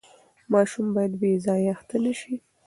ماشوم باید بې ځایه اخته نه سي.